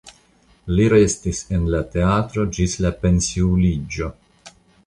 Li restis en la teatro ĝis la pensiuliĝo.